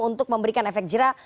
untuk memberikan efek jera